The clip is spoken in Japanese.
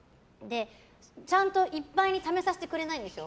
ちゃんといっぱいにためさせてくれないんですよ。